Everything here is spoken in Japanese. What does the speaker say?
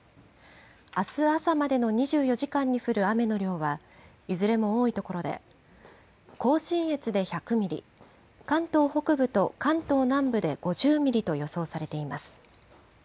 あす朝までの２４時間に降る雨の量は、いずれも多い所で、甲信越で１００ミリ、関東北部と関東南部で５０ミリと予想されています。